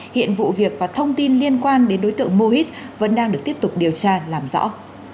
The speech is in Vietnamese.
hiện vụ việc và thông tin liên quan đến đối tượng mô hít vẫn đang được tiếp tục điều tra làm rõ